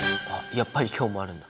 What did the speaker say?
やっぱり今日もあるんだ。